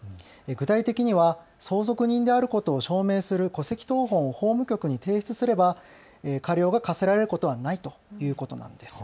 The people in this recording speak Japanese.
具体的には相続人であることを証明する戸籍謄本を法務局に提出すれば過料が科せられることはないということなんです。